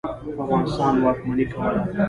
په افغانستان واکمني کوله.